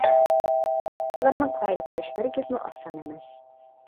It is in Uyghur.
ئۇلارنى قايىل قىلىش ھەرگىزمۇ ئاسان ئەمەس.